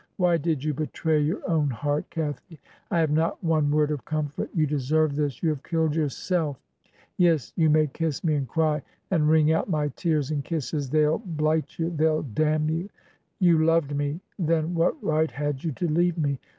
Why did you betray your own heart, Cathy? I have not one word of comfort You deserve this. You have killed yourself. Yes, you may kiss me and cry ; and wring out my tears and kisses: they'll bUght you, they'll damn you. You loved me — ^then what right had you to leave me?